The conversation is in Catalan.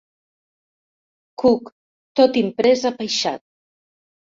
Cook», tot imprès apaïsat.